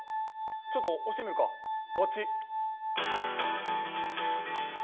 ちょっと押してみるかポチ！